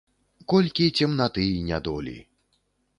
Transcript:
Колькі цемнаты і нядолі!